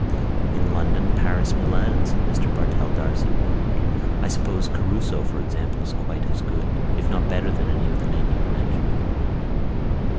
"In London, Paris, Milan," said Mr Bartell D'Arcy warmly. "I suppose Caruso, for example, is quite as good, if not better than any of the men you have mentioned."